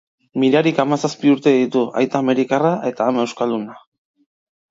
Mirarik hamazazpi urte ditu, aita amerikarra eta ama euskalduna.